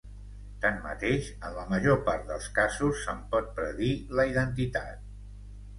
Tanmateix en la major part dels casos se'n pot predir la identitat.